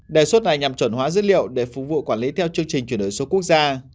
đề xuất này nhằm chuẩn hóa dữ liệu để phục vụ quản lý theo chương trình chuyển đổi số quốc gia